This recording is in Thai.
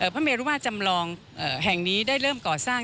พระเมรุมาตรจำลองแห่งนี้ได้เริ่มก่อสร้าง